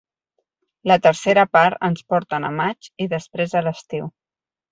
La tercera part ens porten a maig i després a l'estiu.